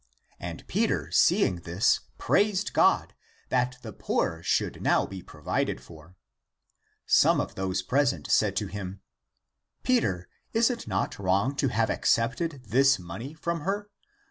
And Peter, seeing this, praised God, that the poor should now be provided for. Some of those present said to him, " Peter, is it not wrong to have accepted this money from her?